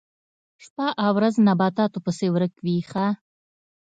شپه او ورځ نباتاتو پسې ورک وي ښه.